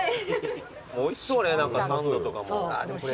おいしそうねサンドとかも。